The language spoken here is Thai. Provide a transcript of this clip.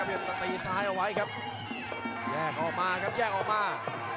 มาแล้วก็ว่ากันต่อครับลาดอนเล็กเวียกเข้ามา